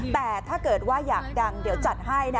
แต่ถ้าเกิดว่าอยากดังเดี๋ยวจัดให้นะ